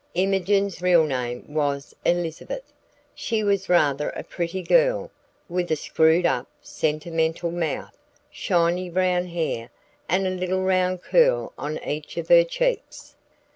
Imogen's real name was Elizabeth. She was rather a pretty girl, with a screwed up, sentimental mouth, shiny brown hair, and a little round curl on each of her cheeks.